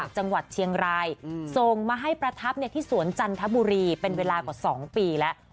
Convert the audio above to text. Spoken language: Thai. จังหวัดเชียงรายส่งมาให้ประทับที่สวนจันทบุรีเป็นเวลากว่า๒ปีแล้ว